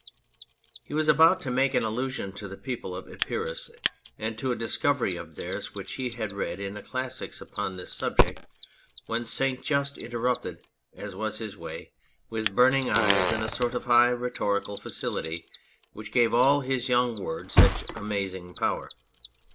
He was about to make an allusion to the people of Epirus and to a discovery of theirs which he had read in the classics upon this subject, when St. Just interrupted, as was his way, with burning eyes and a sort of high, rhetorical facility which gave all his young words such amazing power.